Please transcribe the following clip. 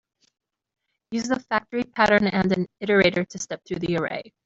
Use the factory pattern and an iterator to step through the array.